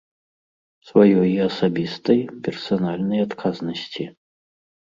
Сваёй асабістай, персанальнай адказнасці.